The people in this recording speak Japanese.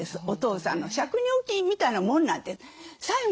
お父さんの借入金みたいなもんなんです。